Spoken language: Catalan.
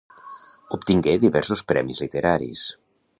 Obtingué diversos premis literaris.